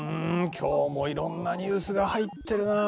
今日もいろんなニュースが入ってるなあ。